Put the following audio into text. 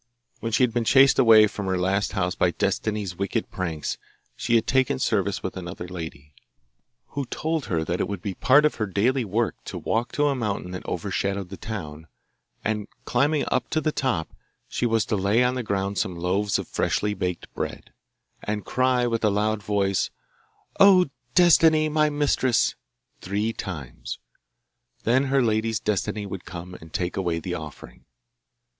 When she had been chased away from her last house by Destiny's wicked pranks she had taken service with another lady, who told her that it would be part of her daily work to walk to a mountain that overshadowed the town, and, climbing up to the top, she was to lay on the ground some loaves of freshly baked bread, and cry with a loud voice, 'O Destiny, my mistress,' three times. Then her lady's Destiny would come and take away the offering.